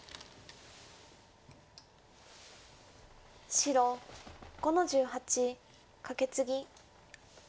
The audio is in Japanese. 白５の十八カケツギ。